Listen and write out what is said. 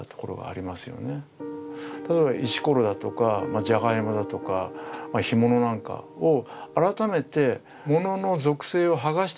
だから石ころだとかジャガイモだとか干物なんかを改めて物の属性を剥がしてですね